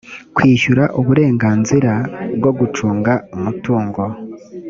kwishyura uburenganzira bwo gucunga umutungo